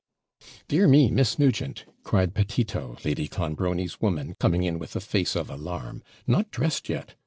'Dear me, Miss Nugent,' cried Petito, Lady Clonbrony's woman, coming in with a face of alarm, 'not dressed yet!